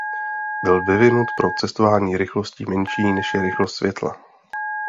Byl vyvinut pro cestování rychlostí menší než je rychlost světla.